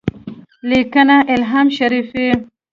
لیکنه الهام شریفي